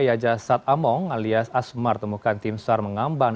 yajasat among alias asmar temukan timsar mengamban